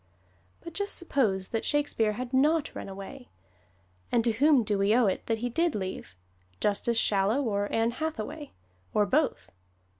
But just suppose that Shakespeare had not run away! And to whom do we owe it that he did leave Justice Shallow or Ann Hathaway, or both?